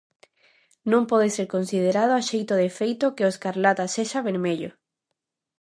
Non pode ser considerado a xeito de feito que o escarlata sexa vermello.